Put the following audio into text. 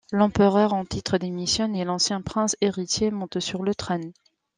L'empereur en titre démissionne et l'ancien prince héritier monte sur le trône.